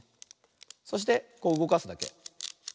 そしてこううごかすだけ。